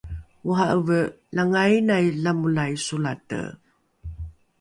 ora’eve langainai lamolai solate